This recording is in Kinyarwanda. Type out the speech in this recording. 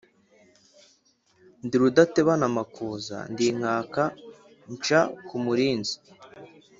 Ndi rudatebana amakuza, ndi Nkaka nsha ku mulinzi